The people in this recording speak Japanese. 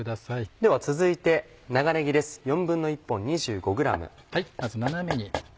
では続いて長ねぎです。